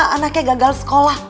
anaknya gagal sekolah